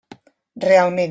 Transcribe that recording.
Realment.